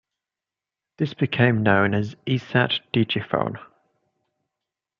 This became known as Esat Digifone.